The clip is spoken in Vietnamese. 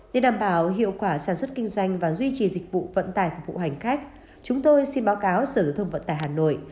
để đảm bảo hiệu quả sản xuất kinh doanh và duy trì dịch vụ vận tải phục vụ hành khách chúng tôi xin báo cáo sở thông vận tải hà nội